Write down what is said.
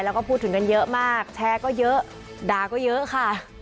แล้วก็พูดถึงกันเยอะมากแชร์ก็เยอะด่าก็เยอะค่ะ